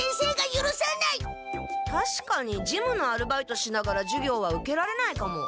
たしかに事務のアルバイトしながら授業は受けられないかも。